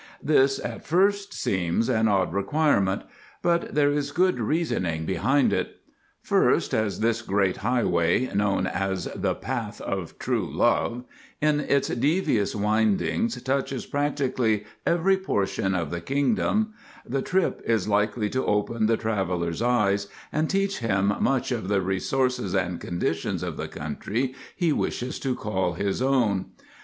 This at first seems an odd requirement, but there is good reasoning behind it. First, as this great highway, known as the Path of True Love, in its devious windings touches practically every portion of the kingdom—the trip is likely to open the traveller's eyes and teach him much of the resources and conditions of the country he wishes to call his own.